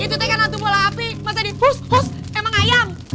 itu teh kan hantu bola api masa di pus pus emang ayam